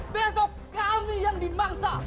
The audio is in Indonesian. besok kami yang dimangsa